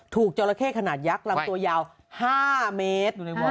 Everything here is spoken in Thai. จราเข้ขนาดยักษ์ลำตัวยาว๕เมตร